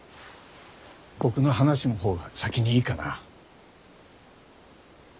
僕の話の方が先にいいかな？